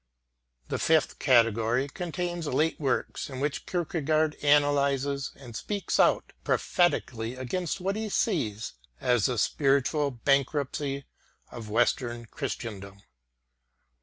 The fifth category contains late works in which Kierkegaard analyzes and speaks out prophetically against what he sees as the spiritual bankruptcy of Western Christendom.